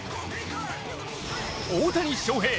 大谷翔平